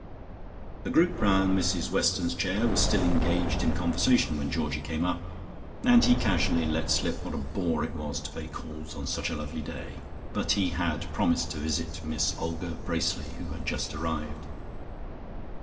The group round Mrs Weston's chair was still engaged in conversation when Georgie came up, and he casually let slip what a bore it was to pay calls on such a lovely day, but he had promised to visit Miss Olga Bracely, who had just arrived.